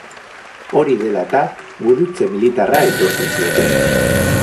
Hori dela eta, Gurutze Militarra aitortu zioten.